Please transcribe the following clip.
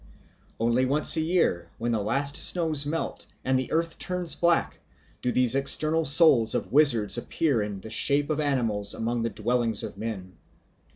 Only once a year, when the last snows melt and the earth turns black, do these external souls of wizards appear in the shape of animals among the dwellings of men.